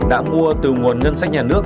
đã mua từ nguồn ngân sách nhà nước